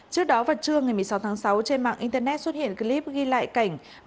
trước đó vào trưa ngày một mươi sáu tháng sáu trên mạng internet xuất hiện clip ghi lại cảnh